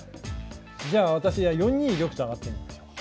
じゃあ私は４二玉と上がってみましょう。